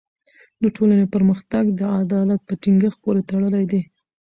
د ټولني پرمختګ د عدالت په ټینګښت پوری تړلی دی.